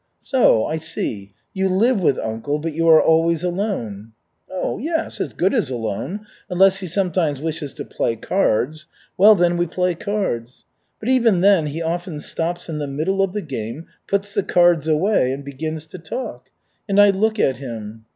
"So, I see, you live with uncle, but you are always alone?" "Yes, as good as alone. Unless he sometimes wishes to play cards. Well, then we play cards. But even then he often stops in the middle of the game, puts the cards away and begins to talk. And I look at him.